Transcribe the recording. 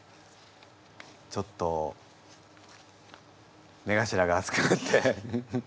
ちょっと目頭が熱くなって。